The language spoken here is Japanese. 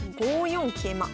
５四桂馬。